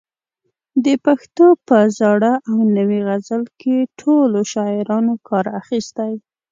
د پښتو په زاړه او نوي غزل کې ټولو شاعرانو کار اخیستی.